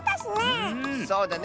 そうだね。